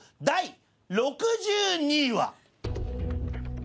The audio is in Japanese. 第６２位は？」。